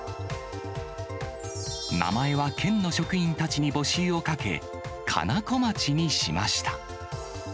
名前は県の職員たちに募集をかけ、かなこまちにしました。